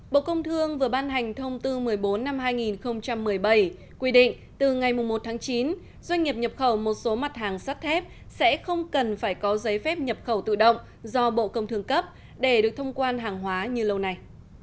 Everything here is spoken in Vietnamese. bộ công thương vừa ban hành thông tư một mươi bốn năm hai nghìn một mươi bảy quy định từ ngày một tháng chín doanh nghiệp nhập khẩu một số mặt hàng sắt thép sẽ không cần phải có giấy phép nhập khẩu tự động do bộ công thương cấp để được thông quan hàng hóa như lâu nay